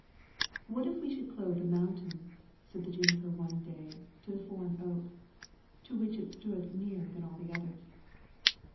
"What if we should clothe the mountain?" said the juniper one day to the foreign oak, to which it stood nearer than all the others.